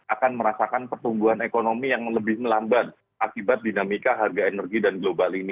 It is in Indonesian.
akan merasakan pertumbuhan ekonomi yang lebih melambat akibat dinamika harga energi dan global ini